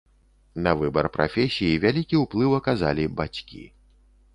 На выбар прафесіі вялікі ўплыў аказалі бацькі.